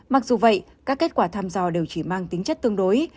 mặc dù vậy các kết quả thăm dò đều chỉ mang tính chất tương đối